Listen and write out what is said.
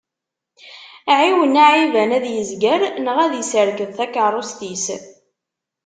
Ɛiwen aɛiban ad yezger, neɣ ad iserked takerrust-is.